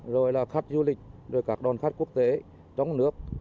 rồi là khách du lịch rồi các đoàn khách quốc tế trong nước